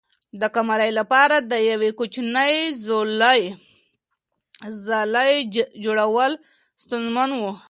د قمرۍ لپاره د یوې کوچنۍ ځالۍ جوړول ستونزمن و.